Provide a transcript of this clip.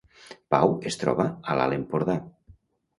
Pau es troba a l’Alt Empordà